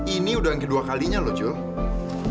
ini udah yang kedua kalinya loh joe